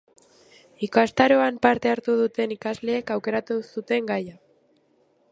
Ikastaroan parte hartu duten ikasleek aukeratu zuten gaia.